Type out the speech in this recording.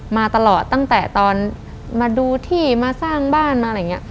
มาตลอดตั้งแต่ตอนมาดูที่มาสร้างบ้านมาอะไรอย่างนี้